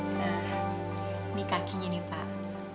nah ini kakinya pak